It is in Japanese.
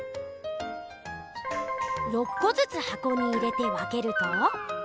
６こずつはこに入れて分けると。